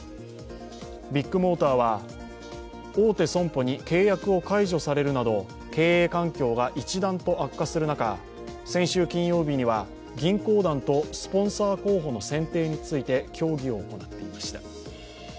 ビッグモーターは、大手損保に契約を解除されるなど経営環境が一段と悪化する中、先週金曜日には銀行団とスポンサー候補の選定について協議を行っていました。